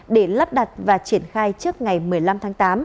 để lắp đặt và triển khai trước ngày một mươi năm tháng tám